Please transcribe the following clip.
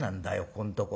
ここんとこ。